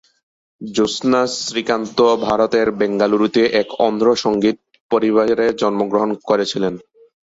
জ্যোৎস্না শ্রীকান্ত ভারতের বেঙ্গালুরুতে এক অন্ধ্র সংগীত পরিবারে জন্মগ্রহণ করেছিলেন।